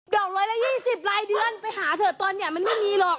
อก๑๒๐รายเดือนไปหาเถอะตอนนี้มันไม่มีหรอก